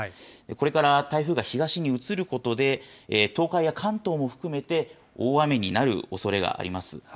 これから台風が東に移ることで、東海や関東も含めて、大雨になるおそれがあります。